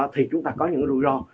thì chúng ta có những rủi ro